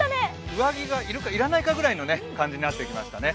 上着が要るか要らないかくらいの温度になってきましたね。